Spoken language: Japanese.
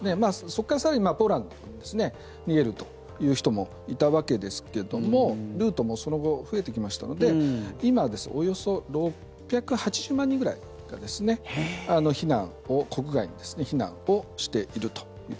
そこから更にポーランドに逃げるという人もいたわけですけどもルートもその後、増えてきましたので今、およそ６８０万人ぐらいが国外に避難をしていると。